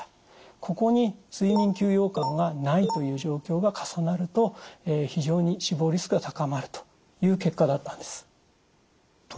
ここに睡眠休養感がないという状況が重なると非常に死亡リスクが高まるという結果だったんです。